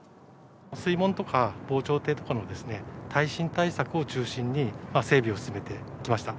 水門とか防潮堤とかの耐震対策を中心に、整備を進めてきました。